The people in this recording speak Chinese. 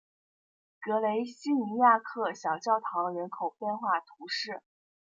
格雷西尼亚克小教堂人口变化图示